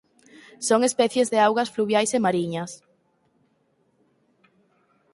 Son especies de augas fluviais e mariñas.